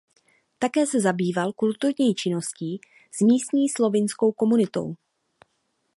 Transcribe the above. Také se zabýval kulturní činností s místní slovinskou komunitou.